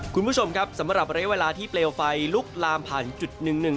คุณผู้ชมครับสำหรับระยะเวลาที่เปลวไฟลุกลามผ่านจุดหนึ่งหนึ่ง